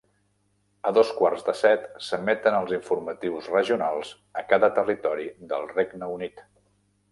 A dos quarts de set s'emeten els informatius regionals a cada territori del Regne Unit.